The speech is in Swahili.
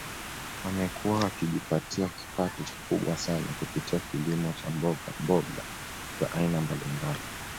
Wamekuwa wakijipatia kipato kikubwa sana kupitia kilimo cha mbogmboga za aina mbalimbali